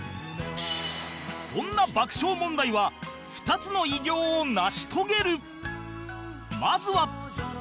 そんな爆笑問題は２つの偉業を成し遂げる